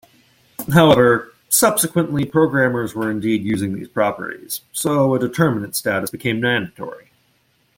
However, subsequently programmers were indeed using these properties, so a determinate status became mandatory.